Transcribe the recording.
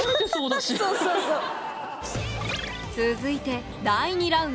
続いて第２ラウンド。